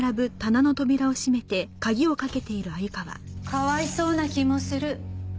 かわいそうな気もする。